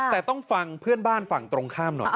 แต่ต้องฟังเพื่อนบ้านฝั่งตรงข้ามหน่อย